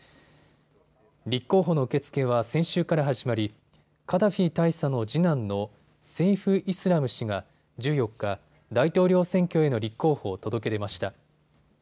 立候補の受け付けは先週から始まりカダフィ大佐の次男のセイフ・イスラム氏が１４日、大統領選挙への立候補を届け出ました。